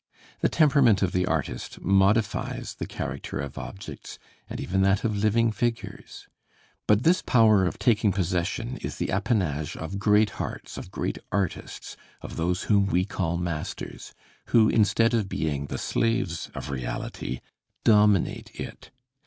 The temperament of the artist modifies the character of objects, and even that of living figures. But this power of taking possession is the appanage of great hearts, of great artists, of those whom we call masters, who, instead of being the slaves of reality, dominate it.